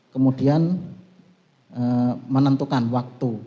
kemudian menentukan waktu